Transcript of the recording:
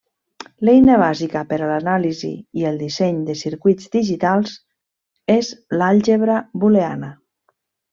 L'eina bàsica per a l'anàlisi i el disseny de circuits digitals és l'àlgebra booleana.